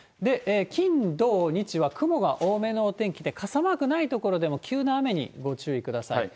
金、土、日は、雲が多めのお天気で、傘マークない所でも急な雨にご注意ください。